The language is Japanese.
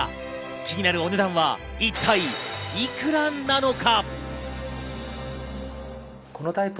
気になるお値段は一体、いくらなのか？